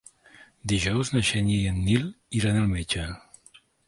Dijous na Xènia i en Nil iran al metge.